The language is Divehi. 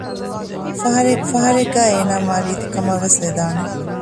ފަހަރެއްގައި އޭނަ މާ ރީތީ ކަމަށްވެސް ވެދާނެ